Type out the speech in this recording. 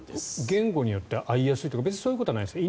言語によって遭いやすいとか別にそういうことはないですか？